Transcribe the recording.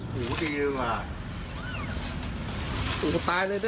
โหดีมาก